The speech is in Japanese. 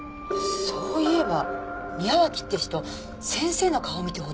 そういえば宮脇って人先生の顔を見て驚いてました。